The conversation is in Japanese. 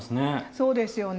そうですよね。